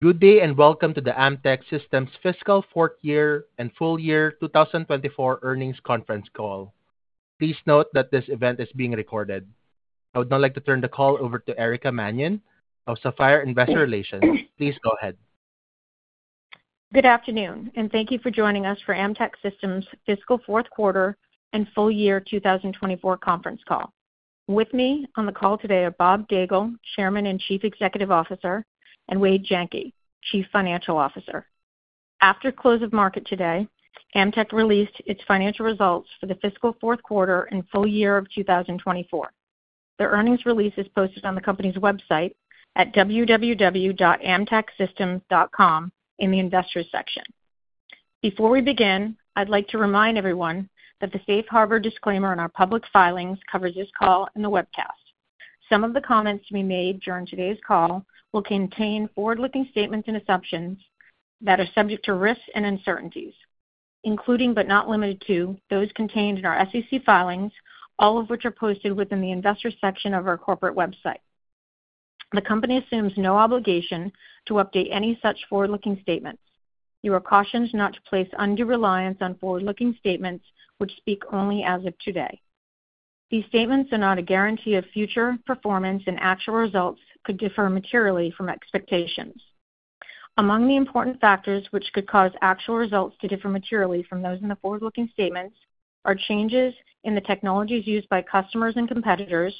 Good day and welcome to the Amtech Systems Fiscal Fourth year and full year 2024 Earnings Conference Call. Please note that this event is being recorded. I would now like to turn the call over to Erica Mannion of Sapphire Investor Relations. Please go ahead. Good afternoon, and thank you for joining us for Amtech Systems' Fiscal Fourth Quarter and Full Year 2024 Conference Call. With me on the call today are Bob Daigle, Chairman and Chief Executive Officer, and Wade Jenke, Chief Financial Officer. After close of market today, Amtech released its financial results for the fiscal fourth quarter and full year of 2024. The earnings release is posted on the company's website at www.amtechsystems.com in the Investors section. Before we begin, I'd like to remind everyone that the safe harbor disclaimer on our public filings covers this call and the webcast. Some of the comments to be made during today's call will contain forward-looking statements and assumptions that are subject to risks and uncertainties, including but not limited to those contained in our SEC filings, all of which are posted within the Investors section of our corporate website. The company assumes no obligation to update any such forward-looking statements. You are cautioned not to place undue reliance on forward-looking statements, which speak only as of today. These statements are not a guarantee of future performance, and actual results could differ materially from expectations. Among the important factors which could cause actual results to differ materially from those in the forward-looking statements are changes in the technologies used by customers and competitors,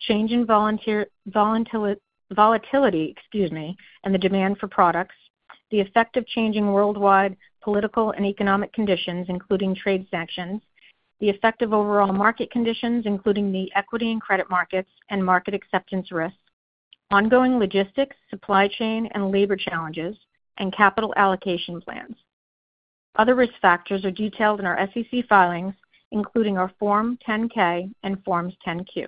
change in volatility, excuse me, and the demand for products, the effect of changing worldwide political and economic conditions, including trade sanctions, the effect of overall market conditions, including the equity and credit markets and market acceptance risk, ongoing logistics, supply chain and labor challenges, and capital allocation plans. Other risk factors are detailed in our SEC filings, including our Form 10-K and Forms 10-Q.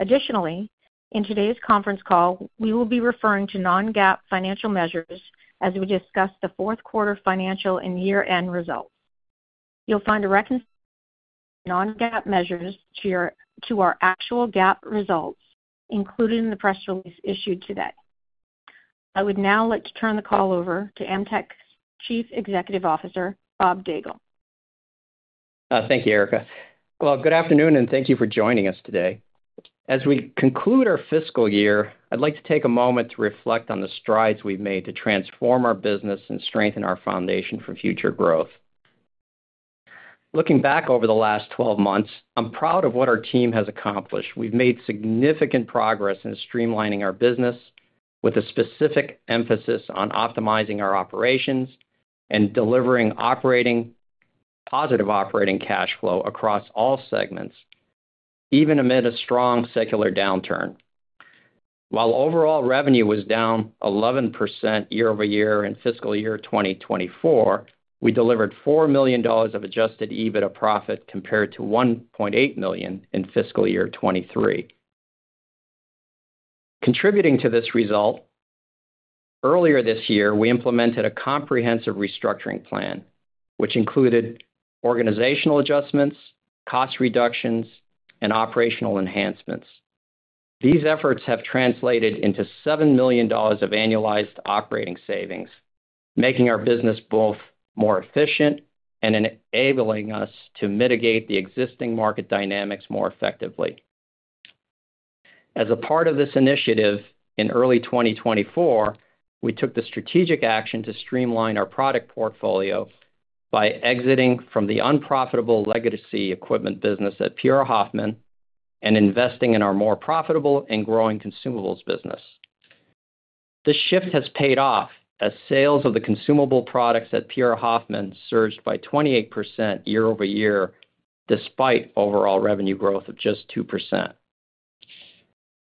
Additionally, in today's conference call, we will be referring to non-GAAP financial measures as we discuss the fourth quarter financial and year-end results. You'll find a reconciliation of non-GAAP measures to our actual GAAP results, including the press release issued today. I would now like to turn the call over to Amtech's Chief Executive Officer, Bob Daigle. Thank you, Erica. Well, good afternoon, and thank you for joining us today. As we conclude our fiscal year, I'd like to take a moment to reflect on the strides we've made to transform our business and strengthen our foundation for future growth. Looking back over the last 12 months, I'm proud of what our team has accomplished. We've made significant progress in streamlining our business, with a specific emphasis on optimizing our operations and delivering positive operating cash flow across all segments, even amid a strong secular downturn. While overall revenue was down 11% year-over-year in fiscal year 2024, we delivered $4 million of adjusted EBITDA profit compared to $1.8 million in fiscal year 2023. Contributing to this result, earlier this year, we implemented a comprehensive restructuring plan, which included organizational adjustments, cost reductions, and operational enhancements. These efforts have translated into $7 million of annualized operating savings, making our business both more efficient and enabling us to mitigate the existing market dynamics more effectively. As a part of this initiative in early 2024, we took the strategic action to streamline our product portfolio by exiting from the unprofitable legacy equipment business at PR Hoffman and investing in our more profitable and growing consumables business. This shift has paid off as sales of the consumable products at PR Hoffman surged by 28% year-over-year, despite overall revenue growth of just 2%.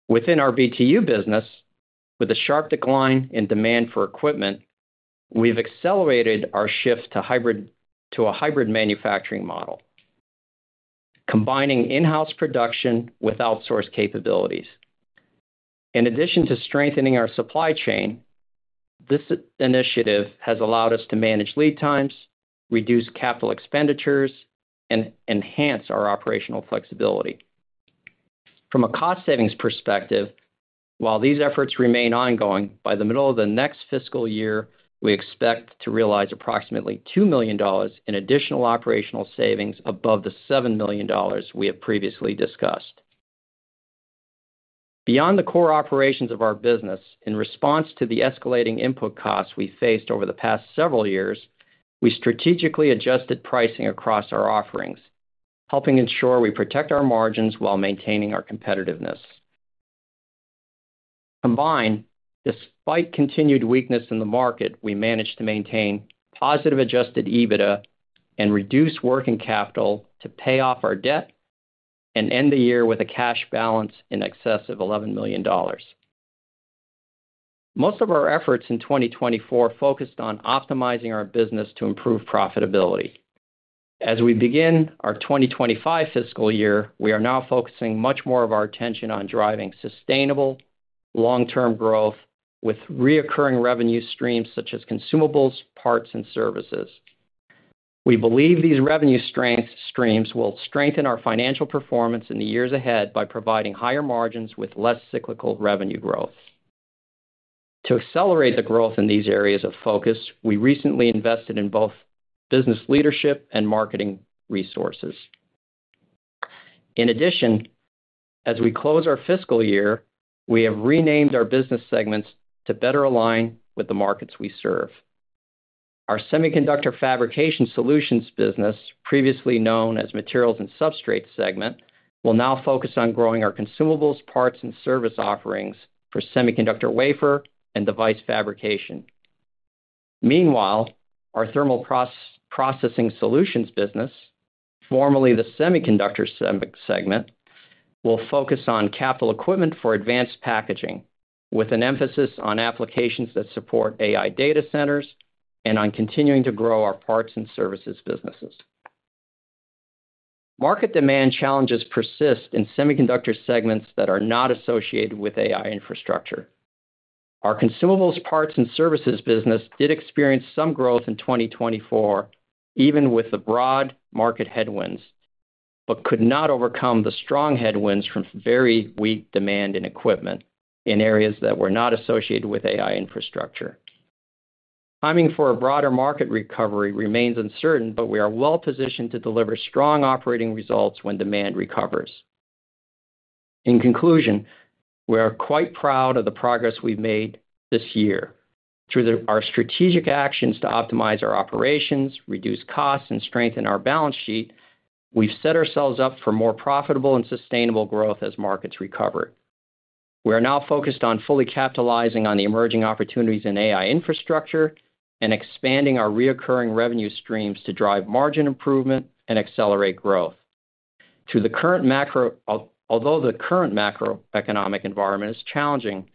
Within our BTU business, with a sharp decline in demand for equipment, we've accelerated our shift to a hybrid manufacturing model, combining in-house production with outsourced capabilities. In addition to strengthening our supply chain, this initiative has allowed us to manage lead times, reduce capital expenditures, and enhance our operational flexibility. From a cost savings perspective, while these efforts remain ongoing, by the middle of the next fiscal year, we expect to realize approximately $2 million in additional operational savings above the $7 million we have previously discussed. Beyond the core operations of our business, in response to the escalating input costs we faced over the past several years, we strategically adjusted pricing across our offerings, helping ensure we protect our margins while maintaining our competitiveness. Combined, despite continued weakness in the market, we managed to maintain positive adjusted EBITDA and reduce working capital to pay off our debt and end the year with a cash balance in excess of $11 million. Most of our efforts in 2024 focused on optimizing our business to improve profitability. As we begin our 2025 fiscal year, we are now focusing much more of our attention on driving sustainable long-term growth with recurring revenue streams such as consumables, parts, and services. We believe these revenue streams will strengthen our financial performance in the years ahead by providing higher margins with less cyclical revenue growth. To accelerate the growth in these areas of focus, we recently invested in both business leadership and marketing resources. In addition, as we close our fiscal year, we have renamed our business segments to better align with the markets we serve. Our Semiconductor Fabrication Solutions business, previously known as Materials and Substrates segment, will now focus on growing our consumables, parts, and service offerings for semiconductor wafer and device fabrication. Meanwhile, our Thermal Processing Solutions business, formerly the Semiconductor segment, will focus on capital equipment for advanced packaging, with an emphasis on applications that support AI data centers and on continuing to grow our parts and services businesses. Market demand challenges persist in semiconductor segments that are not associated with AI infrastructure. Our consumables, parts, and services business did experience some growth in 2024, even with the broad market headwinds, but could not overcome the strong headwinds from very weak demand in equipment in areas that were not associated with AI infrastructure. Timing for a broader market recovery remains uncertain, but we are well positioned to deliver strong operating results when demand recovers. In conclusion, we are quite proud of the progress we've made this year. Through our strategic actions to optimize our operations, reduce costs, and strengthen our balance sheet, we've set ourselves up for more profitable and sustainable growth as markets recover. We are now focused on fully capitalizing on the emerging opportunities in AI infrastructure and expanding our recurring revenue streams to drive margin improvement and accelerate growth. Although the current macroeconomic environment is challenging,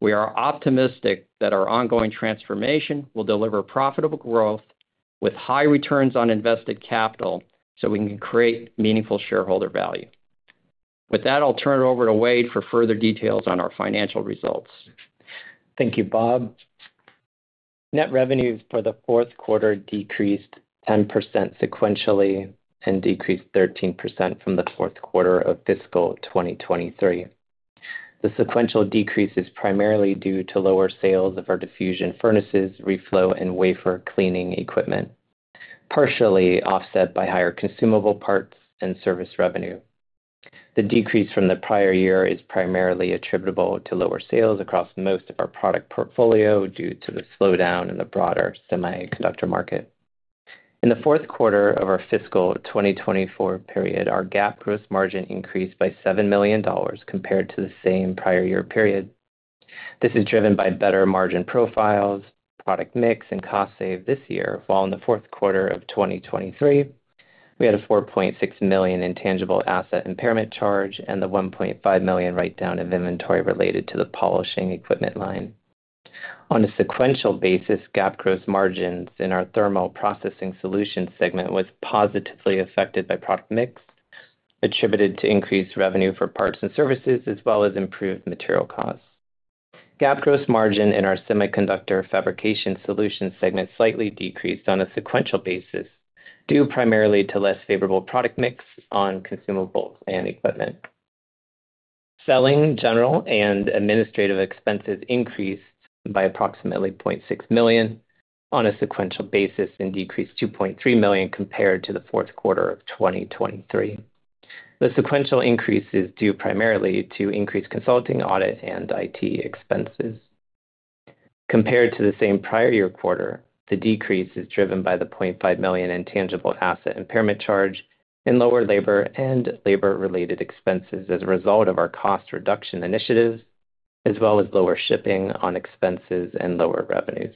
we are optimistic that our ongoing transformation will deliver profitable growth with high returns on invested capital so we can create meaningful shareholder value. With that, I'll turn it over to Wade for further details on our financial results. Thank you, Bob. Net revenues for the fourth quarter decreased 10% sequentially and decreased 13% from the fourth quarter of fiscal 2023. The sequential decrease is primarily due to lower sales of our diffusion furnaces, reflow, and wafer cleaning equipment, partially offset by higher consumable, parts, and service revenue. The decrease from the prior year is primarily attributable to lower sales across most of our product portfolio due to the slowdown in the broader semiconductor market. In the fourth quarter of our fiscal 2024 period, our GAAP gross margin increased by $7 million compared to the same prior year period. This is driven by better margin profiles, product mix, and cost savings this year, while in the fourth quarter of 2023, we had a $4.6 million intangible asset impairment charge and the $1.5 million write-down of inventory related to the polishing equipment line. On a sequential basis, GAAP gross margins in our Thermal Processing Solutions segment were positively affected by product mix, attributed to increased revenue for parts and services, as well as improved material costs. GAAP gross margin in our Semiconductor Fabrication Solutions segment slightly decreased on a sequential basis due primarily to less favorable product mix on consumables and equipment. Selling, general, and administrative expenses increased by approximately $0.6 million on a sequential basis and decreased $2.3 million compared to the fourth quarter of 2023. The sequential increase is due primarily to increased consulting, audit, and IT expenses. Compared to the same prior year quarter, the decrease is driven by the $0.5 million intangible asset impairment charge and lower labor and labor-related expenses as a result of our cost reduction initiatives, as well as lower shipping and other expenses and lower revenues.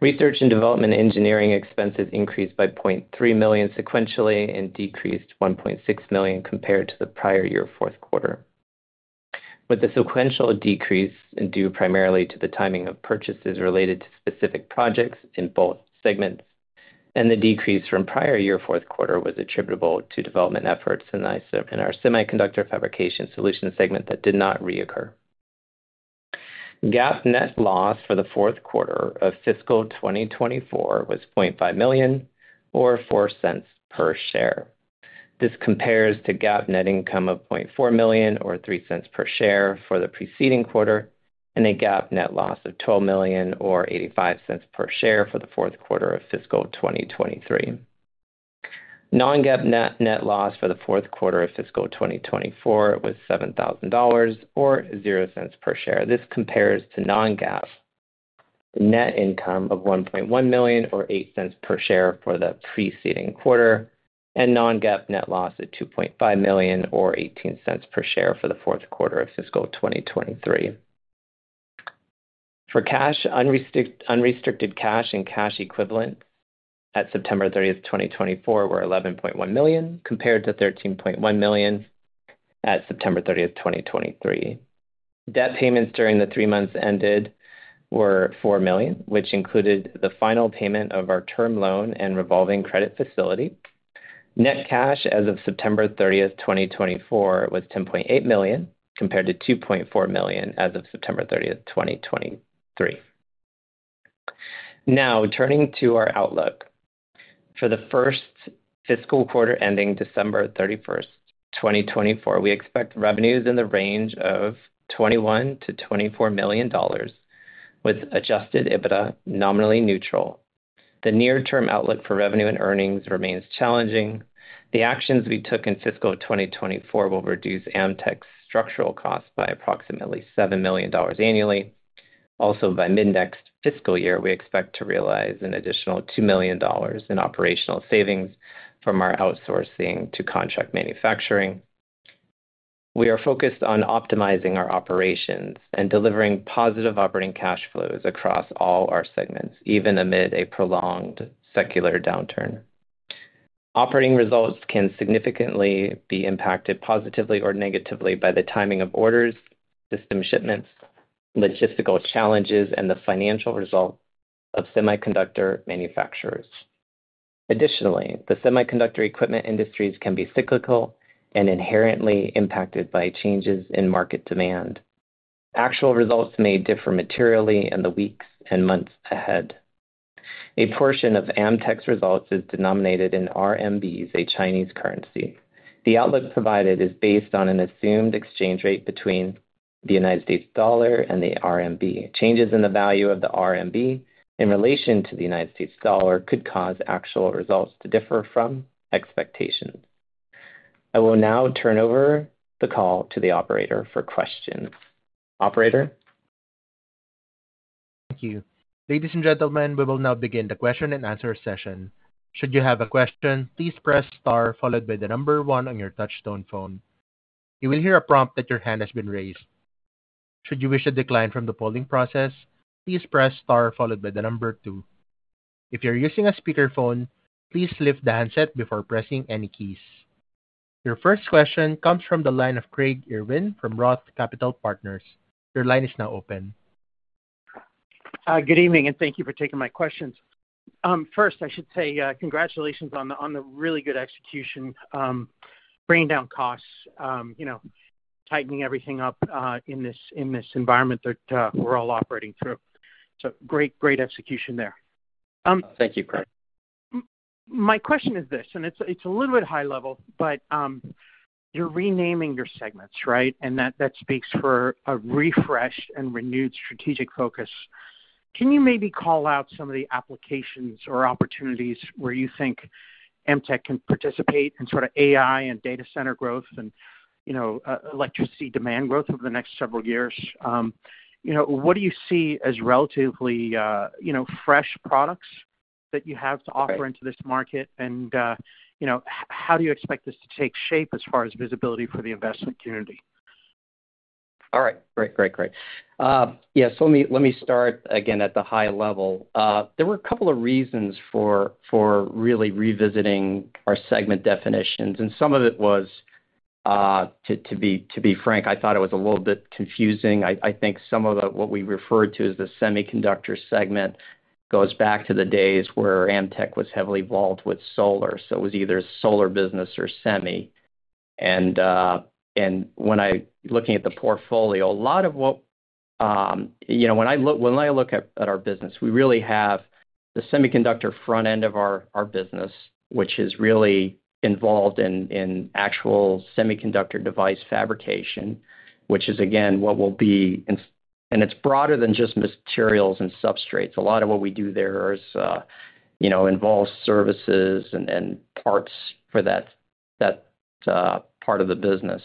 Research and development engineering expenses increased by $0.3 million sequentially and decreased $1.6 million compared to the prior year fourth quarter. With the sequential decrease due primarily to the timing of purchases related to specific projects in both segments, and the decrease from prior year fourth quarter was attributable to development efforts in our Semiconductor Fabrication Solutions segment that did not reoccur. GAAP net loss for the fourth quarter of fiscal 2024 was $0.5 million, or $0.04 per share. This compares to GAAP net income of $0.4 million, or $0.03 per share for the preceding quarter, and a GAAP net loss of $12 million, or $0.85 per share for the fourth quarter of fiscal 2023. Non-GAAP net loss for the fourth quarter of fiscal 2024 was $7,000, or $0.00 per share. This compares to non-GAAP net income of $1.1 million, or $0.08 per share for the preceding quarter, and non-GAAP net loss at $2.5 million, or $0.18 per share for the fourth quarter of fiscal 2023. For cash, unrestricted cash and cash equivalents at September 30th, 2024, were $11.1 million, compared to $13.1 million at September 30th, 2023. Debt payments during the three months ended were $4 million, which included the final payment of our term loan and revolving credit facility. Net cash as of September 30th, 2024, was $10.8 million, compared to $2.4 million as of September 30th, 2023. Now, turning to our outlook. For the first fiscal quarter ending December 31st, 2024, we expect revenues in the range of $21 million-$24 million, with adjusted EBITDA nominally neutral. The near-term outlook for revenue and earnings remains challenging. The actions we took in fiscal 2024 will reduce Amtech's structural costs by approximately $7 million annually. Also, by mid-next fiscal year, we expect to realize an additional $2 million in operational savings from our outsourcing to contract manufacturing. We are focused on optimizing our operations and delivering positive operating cash flows across all our segments, even amid a prolonged secular downturn. Operating results can significantly be impacted positively or negatively by the timing of orders, system shipments, logistical challenges, and the financial result of semiconductor manufacturers. Additionally, the semiconductor equipment industries can be cyclical and inherently impacted by changes in market demand. Actual results may differ materially in the weeks and months ahead. A portion of Amtech's results is denominated in RMBs, a Chinese currency. The outlook provided is based on an assumed exchange rate between the United States dollar and the RMB. Changes in the value of the RMB in relation to the United States dollar could cause actual results to differ from expectations. I will now turn over the call to the operator for questions. Operator. Thank you. Ladies and gentlemen, we will now begin the question and answer session. Should you have a question, please press star followed by the number one on your touch-tone phone. You will hear a prompt that your hand has been raised. Should you wish to decline from the polling process, please press star followed by the number two. If you're using a speakerphone, please lift the handset before pressing any keys. Your first question comes from the line of Craig Irwin from Roth Capital Partners. Your line is now open. Good evening, and thank you for taking my questions. First, I should say congratulations on the really good execution bringing down costs, tightening everything up in this environment that we're all operating through. So great, great execution there. Thank you, Craig. My question is this, and it's a little bit high-level, but you're renaming your segments, right? And that speaks for a refreshed and renewed strategic focus. Can you maybe call out some of the applications or opportunities where you think Amtech can participate in sort of AI and data center growth and electricity demand growth over the next several years? What do you see as relatively fresh products that you have to offer into this market? And how do you expect this to take shape as far as visibility for the investment community? All right. Great, great, great. Yeah, so let me start again at the high level. There were a couple of reasons for really revisiting our segment definitions, and some of it was, to be frank, I thought it was a little bit confusing. I think some of what we referred to as the Semiconductor segment goes back to the days where Amtech was heavily involved with solar. So it was either a solar business or semi, and when I'm looking at the portfolio, a lot of what, when I look at our business, we really have the semiconductor front end of our business, which is really involved in actual semiconductor device fabrication, which is, again, what will be and it's broader than just materials and substrates. A lot of what we do there involves services and parts for that part of the business.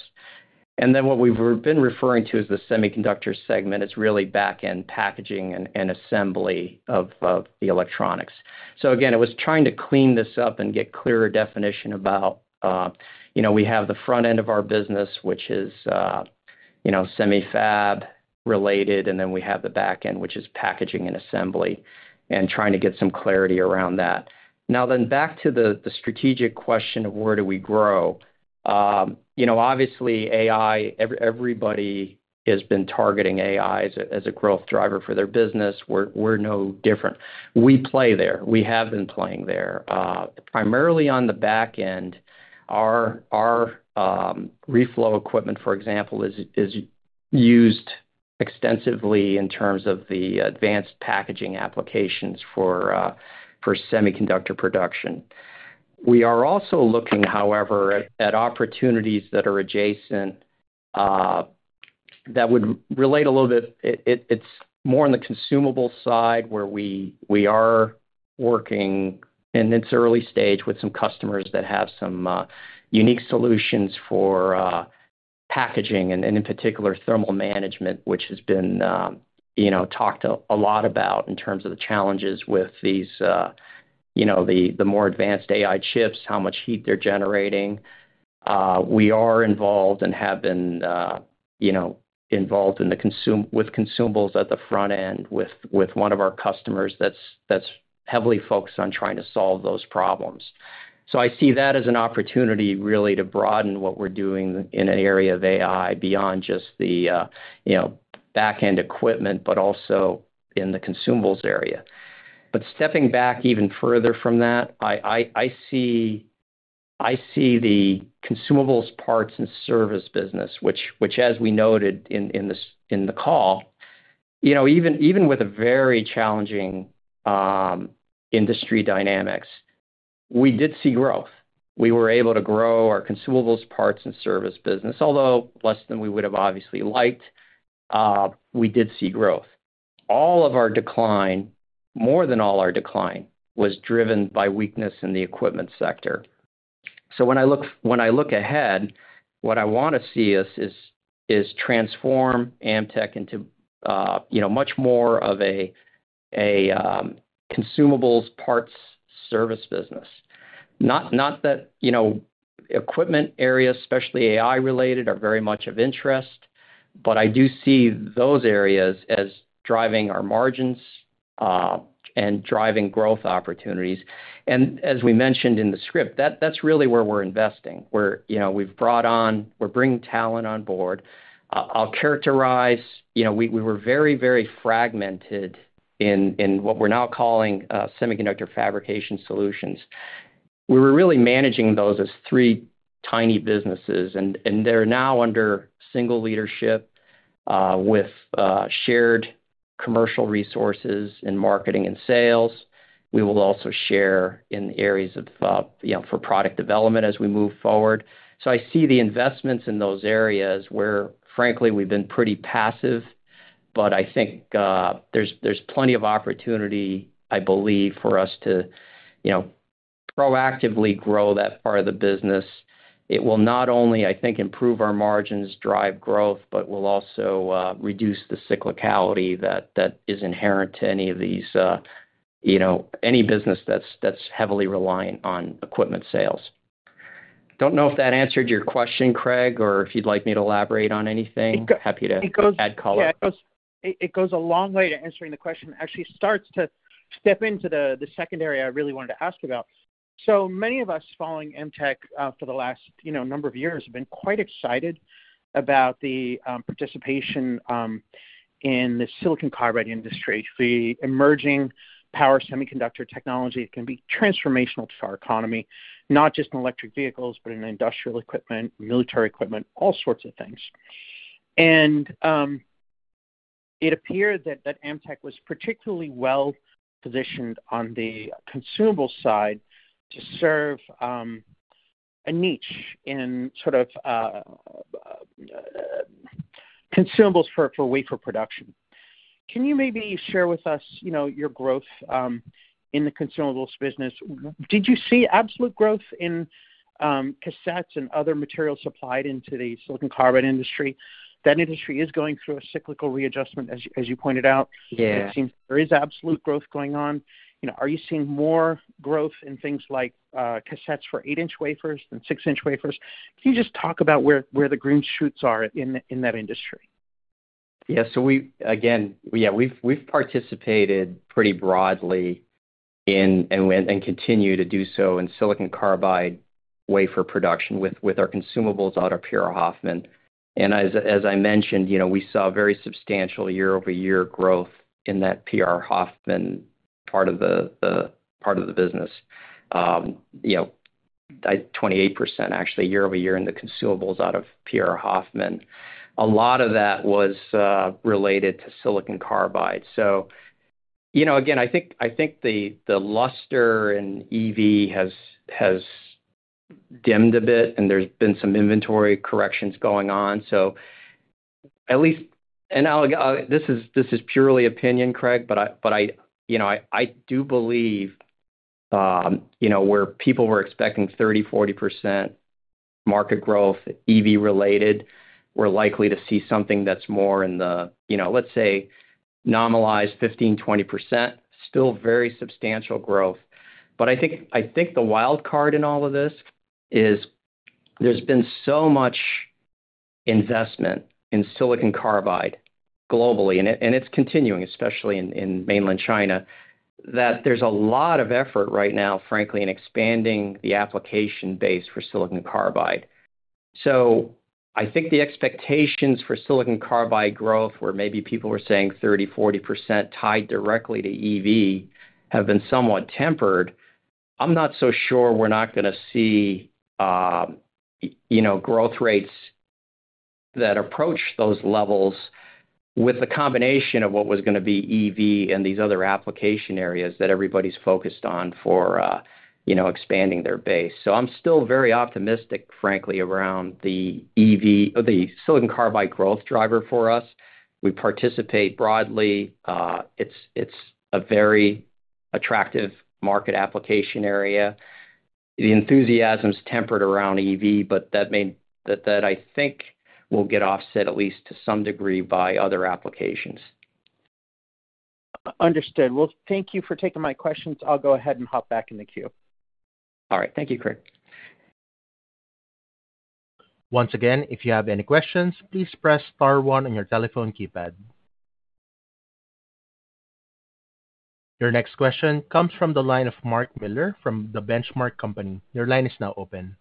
And then what we've been referring to as the Semiconductor segment is really back-end packaging and assembly of the electronics. So again, it was trying to clean this up and get clearer definition about we have the front end of our business, which is semi-fab related, and then we have the back end, which is packaging and assembly, and trying to get some clarity around that. Now, then back to the strategic question of where do we grow? Obviously, AI, everybody has been targeting AI as a growth driver for their business. We're no different. We play there. We have been playing there. Primarily on the back end, our reflow equipment, for example, is used extensively in terms of the advanced packaging applications for semiconductor production. We are also looking, however, at opportunities that are adjacent that would relate a little bit. It's more on the consumable side where we are working, and it's early stage with some customers that have some unique solutions for packaging and, in particular, thermal management, which has been talked a lot about in terms of the challenges with the more advanced AI chips, how much heat they're generating. We are involved and have been involved with consumables at the front end with one of our customers that's heavily focused on trying to solve those problems. So I see that as an opportunity really to broaden what we're doing in an area of AI beyond just the back-end equipment, but also in the consumables area. But stepping back even further from that, I see the consumables, parts, and service business, which, as we noted in the call, even with a very challenging industry dynamics, we did see growth. We were able to grow our consumables, parts, and service business, although less than we would have obviously liked. We did see growth. All of our decline, more than all our decline, was driven by weakness in the equipment sector. So when I look ahead, what I want to see is transform Amtech into much more of a consumables, parts, service business. Not that equipment areas, especially AI-related, are very much of interest, but I do see those areas as driving our margins and driving growth opportunities. And as we mentioned in the script, that's really where we're investing. We've brought on, we're bringing talent on board. I'll characterize, we were very, very fragmented in what we're now calling Semiconductor Fabrication Solutions. We were really managing those as three tiny businesses, and they're now under single leadership with shared commercial resources in marketing and sales. We will also share in the areas of for product development as we move forward, so I see the investments in those areas where, frankly, we've been pretty passive, but I think there's plenty of opportunity, I believe, for us to proactively grow that part of the business. It will not only, I think, improve our margins, drive growth, but will also reduce the cyclicality that is inherent to any of these business that's heavily reliant on equipment sales. Don't know if that answered your question, Craig, or if you'd like me to elaborate on anything. Happy to add color. It goes a long way to answering the question. It actually starts to step into the second area I really wanted to ask about, so many of us following Amtech for the last number of years have been quite excited about the participation in the silicon carbide industry. The emerging power semiconductor technology can be transformational to our economy, not just in electric vehicles, but in industrial equipment, military equipment, all sorts of things, and it appeared that Amtech was particularly well positioned on the consumable side to serve a niche in sort of consumables for wafer production. Can you maybe share with us your growth in the consumables business? Did you see absolute growth in cassettes and other materials supplied into the silicon carbide industry? That industry is going through a cyclical readjustment, as you pointed out. It seems there is absolute growth going on. Are you seeing more growth in things like cassettes for 8 in wafers than 6 in wafers? Can you just talk about where the green shoots are in that industry? Yeah. So again, yeah, we've participated pretty broadly and continue to do so in silicon carbide wafer production with our consumables out of PR Hoffman. And as I mentioned, we saw very substantial year-over-year growth in that PR Hoffman part of the business, 28% actually, year-over-year in the consumables out of PR Hoffman. A lot of that was related to silicon carbide. So again, I think the luster in EV has dimmed a bit, and there's been some inventory corrections going on. So at least, and this is purely opinion, Craig, but I do believe where people were expecting 30%-40% market growth EV-related, we're likely to see something that's more in the, let's say, normalized 15%-20%, still very substantial growth. I think the wild card in all of this is there's been so much investment in silicon carbide globally, and it's continuing, especially in mainland China, that there's a lot of effort right now, frankly, in expanding the application base for silicon carbide. So I think the expectations for silicon carbide growth, where maybe people were saying 30%-40% tied directly to EV, have been somewhat tempered. I'm not so sure we're not going to see growth rates that approach those levels with the combination of what was going to be EV and these other application areas that everybody's focused on for expanding their base. So I'm still very optimistic, frankly, around the silicon carbide growth driver for us. We participate broadly. It's a very attractive market application area. The enthusiasm's tempered around EV, but that I think will get offset at least to some degree by other applications. Understood. Well, thank you for taking my questions. I'll go ahead and hop back in the queue. All right. Thank you, Craig. Once again, if you have any questions, please press star one on your telephone keypad. Your next question comes from the line of Mark Miller from The Benchmark Company. Your line is now open.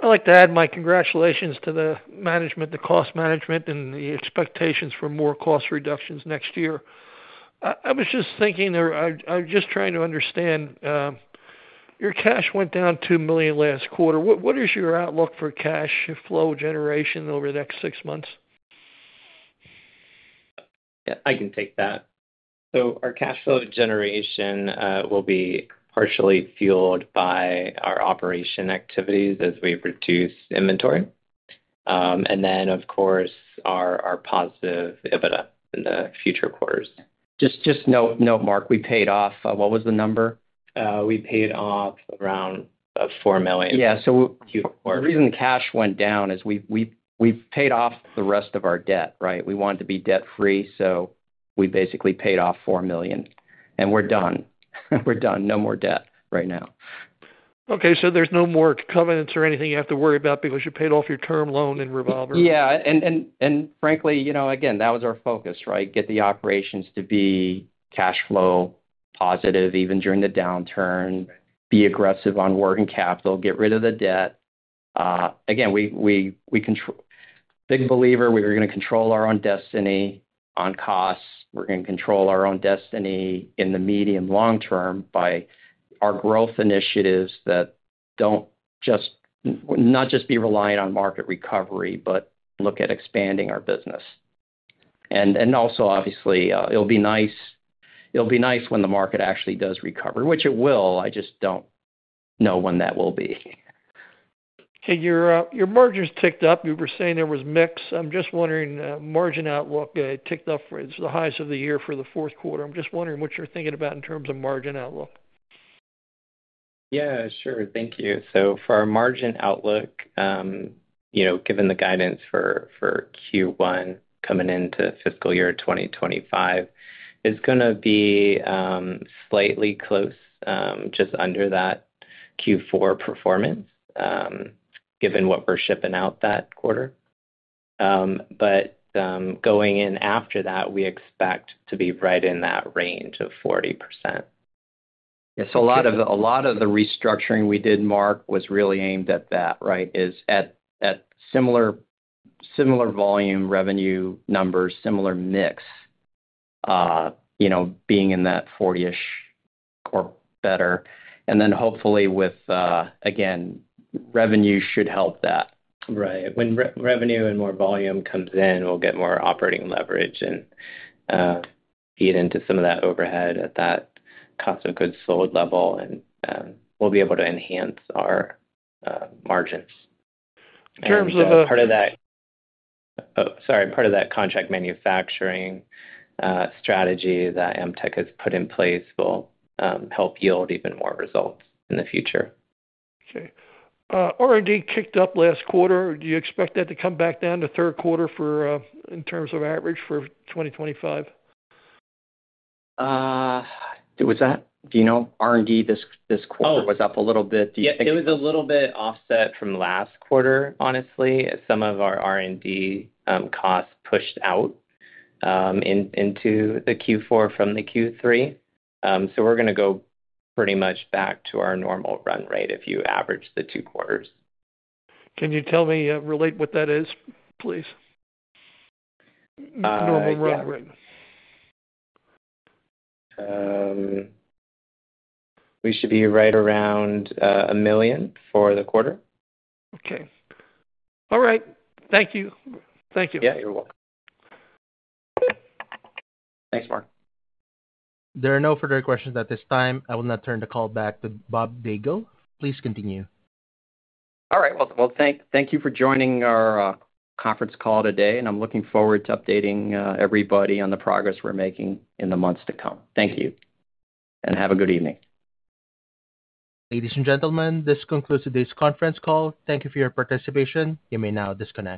I'd like to add my congratulations to the management, the cost management, and the expectations for more cost reductions next year. I was just thinking there, I was just trying to understand, your cash went down $2 million last quarter. What is your outlook for cash flow generation over the next six months? Yeah, I can take that. So our cash flow generation will be partially fueled by our operating activities as we reduce inventory. And then, of course, our positive EBITDA in the future quarters. Just note, Mark, we paid off. What was the number? We paid off around $4 million. Yeah. So. The reason cash went down is we paid off the rest of our debt, right? We wanted to be debt-free, so we basically paid off $4 million. And we're done. We're done. No more debt right now. Okay. So there's no more covenants or anything you have to worry about because you paid off your term loan and revolver? Yeah. And frankly, again, that was our focus, right? Get the operations to be cash flow positive even during the downturn, be aggressive on working capital, get rid of the debt. Again, we're a big believer we're going to control our own destiny on costs. We're going to control our own destiny in the medium- to long-term by our growth initiatives that don't just be reliant on market recovery, but look at expanding our business. And also, obviously, it'll be nice when the market actually does recover, which it will. I just don't know when that will be. Hey, your margins ticked up. You were saying there was mix. I'm just wondering, margin outlook ticked up for the highs of the year for the fourth quarter. I'm just wondering what you're thinking about in terms of margin outlook? Yeah, sure. Thank you. So for our margin outlook, given the guidance for Q1 coming into fiscal year 2025, it's going to be slightly close, just under that Q4 performance, given what we're shipping out that quarter. But going in after that, we expect to be right in that range of 40%. Yeah. So a lot of the restructuring we did, Mark, was really aimed at that, right? It's at similar volume revenue numbers, similar mix, being in that 40-ish or better, and then hopefully with, again, revenue should help that. Right. When revenue and more volume comes in, we'll get more operating leverage and feed into some of that overhead at that cost of goods sold level, and we'll be able to enhance our margins. In terms of. Part of that contract manufacturing strategy that Amtech has put in place will help yield even more results in the future. Okay. R&D kicked up last quarter. Do you expect that to come back down to third quarter in terms of average for 2025? What's that? Do you know R&D this quarter was up a little bit? Do you think? Yes. It was a little bit offset from last quarter, honestly, as some of our R&D costs pushed out into the Q4 from the Q3. So we're going to go pretty much back to our normal run rate if you average the two quarters. Can you tell me, relate what that is, please? Normal run rate. We should be right around $1 million for the quarter. Okay. All right. Thank you. Thank you. Yeah, you're welcome. Thanks, Mark. There are no further questions at this time. I will now turn the call back to Bob Daigle. Please continue. All right, well, thank you for joining our conference call today, and I'm looking forward to updating everybody on the progress we're making in the months to come. Thank you, and have a good evening. Ladies and gentlemen, this concludes today's conference call. Thank you for your participation. You may now disconnect.